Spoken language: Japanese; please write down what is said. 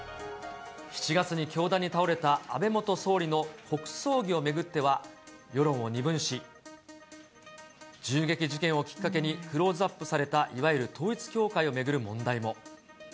７月に凶弾に倒れた安倍元総理の国葬儀を巡っては、世論を二分し、銃撃事件をきっかけにクローズアップされた、いわゆる統一教会を巡る問題も。